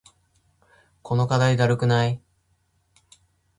この課題だるくない？